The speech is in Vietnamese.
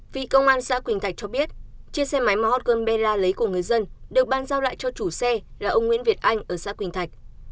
vị công an xã quỳnh thạch cho biết chiếc xe máy mà hot girlberla lấy của người dân được ban giao lại cho chủ xe là ông nguyễn việt anh ở xã quỳnh thạch